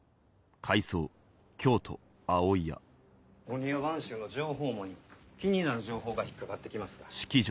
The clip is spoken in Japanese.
・御庭番衆の情報網に気になる情報が引っ掛かって来ました。